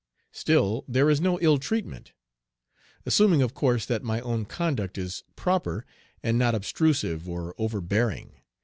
Still there is no ill treatment, assuming of course that my own conduct is proper, and not obtrusive or overbearing.